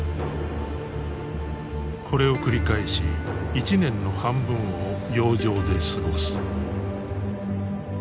これを繰り返し１年の半分を洋上で過ごす。